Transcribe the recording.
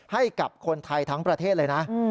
ให้กับคนไทยทั้งประเทศเลยนะ